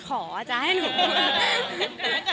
ก็บอกว่าเซอร์ไพรส์ไปค่ะ